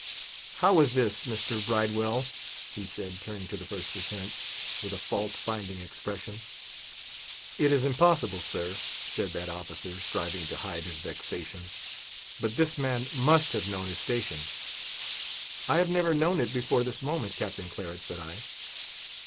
"How is this, Mr. Bridewell?" he said, turning to the First Lieutenant, with a fault finding expression. "It is impossible, sir," said that officer, striving to hide his vexation, "but this man must have known his station." "I have never known it before this moment, Captain Claret," said I.